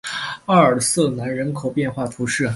阿尔瑟南人口变化图示